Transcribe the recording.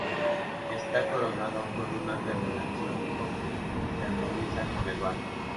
Está coronado con una terminación ocre que armoniza con el barrio.